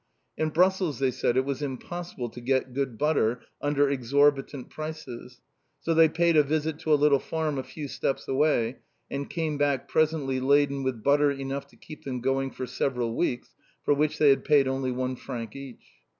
In Brussels, they said, it was impossible to get good butter under exorbitant prices, so they paid a visit to a little farm a few steps away, and came back presently laden with butter enough to keep them going for several weeks, for which they had paid only one franc each.